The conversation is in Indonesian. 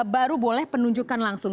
baru boleh penunjukan langsung